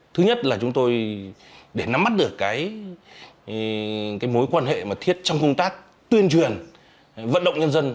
thứ nhất là chúng tôi để nắm mắt được mối quan hệ thiết trong công tác tuyên truyền